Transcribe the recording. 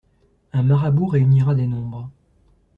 Un marabout réunira des nombres.